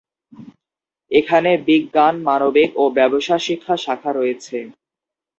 এখানে বিজ্ঞান, মানবিক ও ব্যবসা শিক্ষা শাখা রয়েছে।